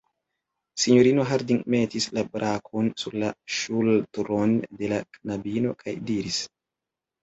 Sinjorino Harding metis la brakon sur la ŝultron de la knabino kaj diris: